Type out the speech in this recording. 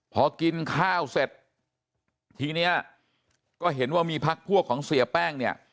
พอกินข้าวเสร็จทีเนี้ยก็เห็นว่ามีพักพวกของเสียแป้งเนี่ย